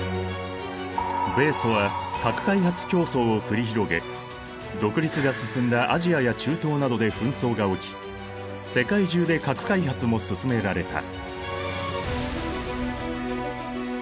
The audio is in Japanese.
米ソは核開発競争を繰り広げ独立が進んだアジアや中東などで紛争が起き世界中で核開発も進められた。